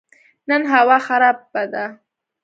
نن هوا خراب ده